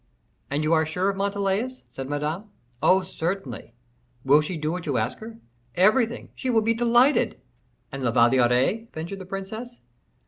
"And you are sure of Montalais?" said Madame. "Oh, certainly." "Will she do what you ask her?" "Everything. She will be delighted." "And La Valliere " ventured the princess.